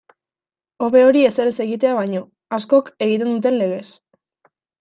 Hobe hori ezer ez egitea baino, askok egiten duten legez.